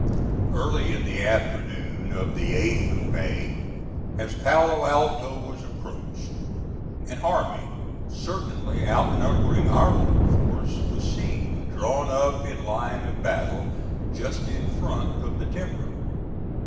Early in the forenoon of the 8th of May as Palo Alto was approached, an army, certainly outnumbering our little force, was seen, drawn up in line of battle just in front of the timber.